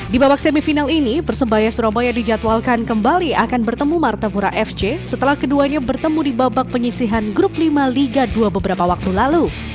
di babak semifinal ini persebaya surabaya dijadwalkan kembali akan bertemu martapura fc setelah keduanya bertemu di babak penyisihan grup lima liga dua beberapa waktu lalu